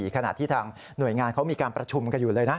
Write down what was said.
ขณะที่ทางหน่วยงานเขามีการประชุมกันอยู่เลยนะ